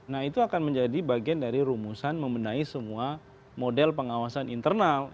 nah itu akan menjadi bagian dari rumusan membenahi semua model pengawasan internal